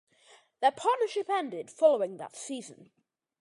Their partnership ended following that season.